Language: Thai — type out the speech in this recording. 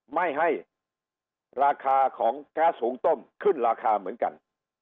ไม่ให้ราคาของแก๊สหุงต้มขึ้นราคาเหมือนกัน